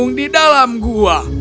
naga api hidup di gunung